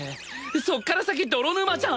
そっから先泥沼じゃん。